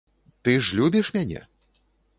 Ты ж любіш мяне?